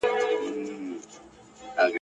مار له غاره ځالګۍ ته سو وروړاندي !.